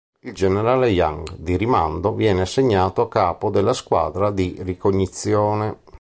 Il generale Yang, di rimando, viene assegnato a capo della squadra di ricognizione.